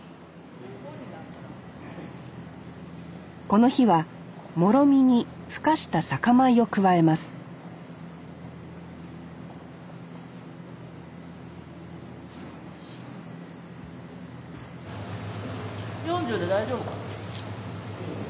この日はもろみにふかした酒米を加えます４０で大丈夫かな？